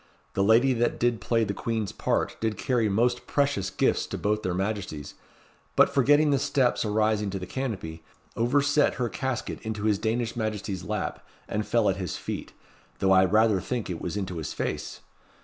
The lady that did play the Queen's part did carry most precious gifts to both their Majesties, but forgetting the steps arising to the canopy, overset her casket into his Danish Majesty's lap, and fell at his feet, though I rather think it was into his face.